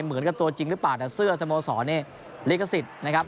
เหมือนกับตัวจริงหรือเปล่าแต่เสื้อสโมสรนี่ลิขสิทธิ์นะครับ